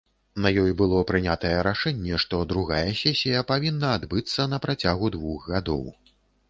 На ёй было прынятае рашэнне, што другая сесія павінна адбыцца на працягу двух гадоў.